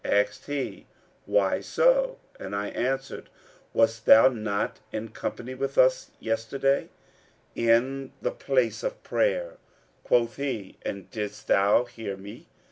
Asked he, 'Why so?' and I answered, 'Wast thou not in company with us yesterday in the place of prayer?' Quoth he, 'And didst thou hear me?'